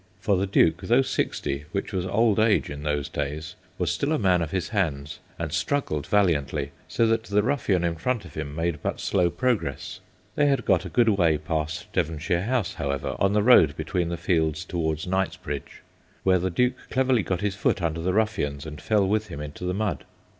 For the Duke, though sixty, which was old age in those days, was still a man of his hands, and struggled valiantly, so that the ruffian in front of him made but slow progress. They had got a good way past Devonshire House, however, on the road between the fields towards Knightsbridge, when the Duke cleverly got his foot under the ruffian's and fell with him into the mud.